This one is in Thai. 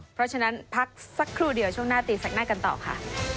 เพราะฉะนั้นพักสักครู่เดียวช่วงหน้าตีแสกหน้ากันต่อค่ะ